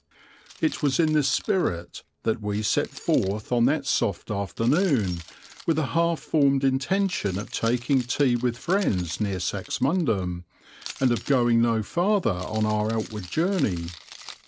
It was in this spirit that we set forth on that soft afternoon, with a half formed intention of taking tea with friends near Saxmundham and of going no farther on our outward journey.